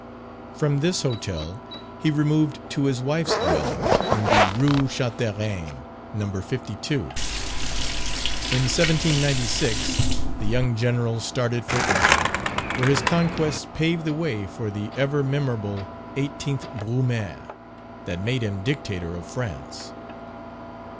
From this hotel he removed to his wife's dwelling in the Rue Chanteriene, No. 52. In 1796 the young general started for Italy, where his conquests paved the way for the ever memorable 18th Brumaire, that made him dictator of France.